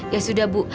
ya sudah bu